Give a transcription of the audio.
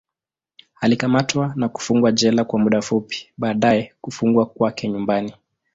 Alikamatwa na kufungwa jela kwa muda fupi, baadaye kufungwa kwake nyumbani.